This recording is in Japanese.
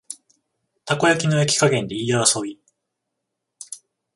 たこ焼きの焼き加減で言い争い